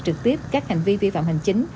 trực tiếp các hành vi vi phạm hành chính